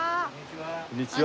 こんにちは。